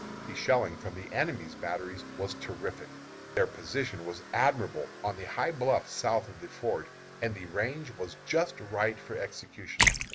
The shelling from the enemy's batteries was terrific. Their position was admirable on the high bluff south of the ford, and the range was just right for execution.